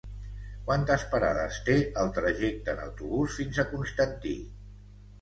Quantes parades té el trajecte en autobús fins a Constantí?